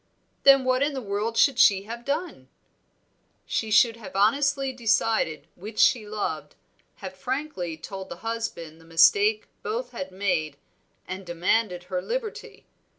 "Then what in the world should she have done?" "She should have honestly decided which she loved, have frankly told the husband the mistake both had made, and demanded her liberty.